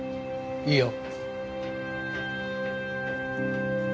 いいよ。